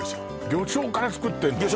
魚醤から作ってるの？